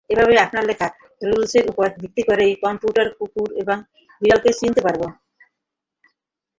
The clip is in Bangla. এভাবেই আপনার লেখা রুলসের উপর ভিত্তি করেই কম্পিউটার কুকুর এবং বিড়ালকে চিনতে পারবে।